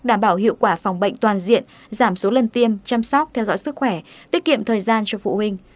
đảm bảo hiệu quả phòng bệnh toàn diện giảm số lần tiêm chăm sóc theo dõi sức khỏe tiết kiệm thời gian cho phụ huynh